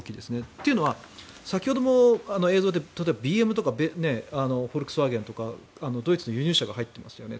というのは先ほども映像で例えばＢＭとかフォルクスワーゲンとかドイツの輸入車が入ってますよね。